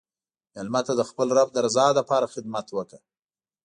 مېلمه ته د خپل رب د رضا لپاره خدمت وکړه.